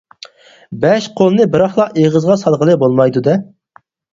بەش قولنى بىراقلا ئېغىزغا سالغىلى بولمايدۇ دە.